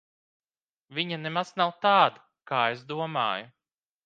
Viņa nemaz nav tāda, kā es domāju.